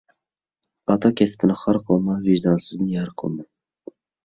ئاتا كەسپىنى خار قىلما، ۋىجدانسىزنى يار قىلما.